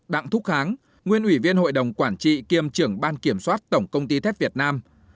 chín đặng thúc kháng nguyên ủy viên hội đồng quản trị kiêm trưởng ban kiểm soát tổng công ty thép việt nam